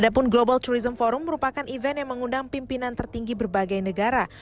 adapun global tourism forum merupakan event yang mengundang pimpinan tertinggi berbagai negara